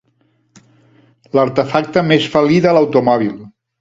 L'artefacte més felí de l'automòbil.